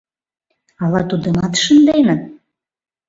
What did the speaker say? Ала тудымат шынденыт?